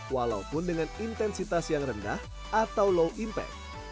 walaupun dengan intensitas yang rendah atau low impact